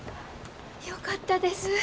よかったです。